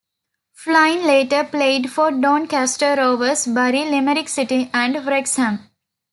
Flynn later played for Doncaster Rovers, Bury, Limerick City and Wrexham.